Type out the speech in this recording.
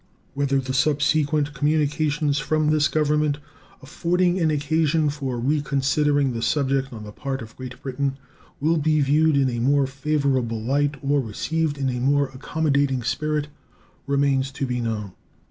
Whether the subsequent communications from this Government, affording an occasion for reconsidering the subject on the part of Great Britain, will be viewed in a more favorable light or received in a more accommodating spirit remains to be known.